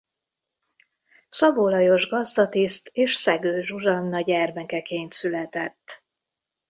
Szabó Lajos gazdatiszt és Szegő Zsuzsanna gyermekeként született.